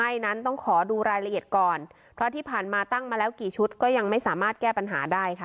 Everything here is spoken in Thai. อย่างนั้นต้องขอดูรายละเอียดก่อนเพราะที่ผ่านมาตั้งมาแล้วกี่ชุดก็ยังไม่สามารถแก้ปัญหาได้ค่ะ